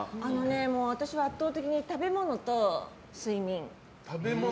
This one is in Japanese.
私は圧倒的に食べ物と睡眠。